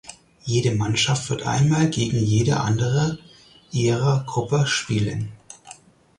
Jede Mannschaft wird einmal gegen jede andere ihrer Gruppe spielen.